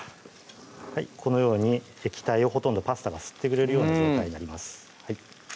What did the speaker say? このように液体をほとんどパスタが吸ってくれるような状態になります